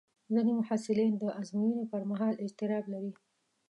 ځینې محصلین د ازموینې پر مهال اضطراب لري.